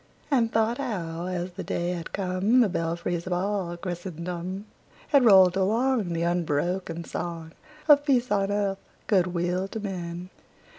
And thought how, as the day had come, The belfries of all Christendom Had rolled along The unbroken song Of peace on earth, good will to men!